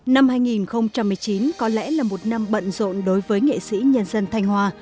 năm hai nghìn một mươi chín có lẽ là một năm bận rộn đối với nghệ sĩ nhân dân thanh hòa